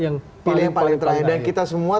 yang paling terakhir dan kita semua